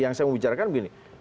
yang saya mau bicarakan begini